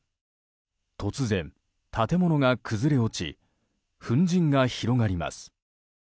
突然、建物が崩れ落ち粉じんが広がります。